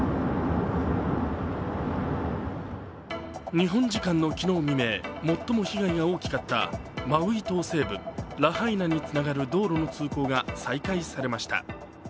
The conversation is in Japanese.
日本時間の昨日未明、最も被害が大きかったマウイ島西部ラハイナにつながる道路の通行が再開されました。